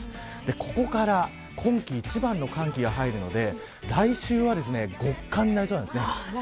ここから今季一番の寒気が入るので来週は極寒になりそうなんです。